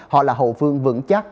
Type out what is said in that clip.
họ là hậu phương vững chắc